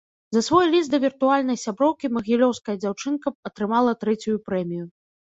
За свой ліст да віртуальнай сяброўкі магілёўская дзяўчынка атрымала трэцюю прэмію.